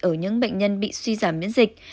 ở những bệnh nhân bị suy giảm miễn dịch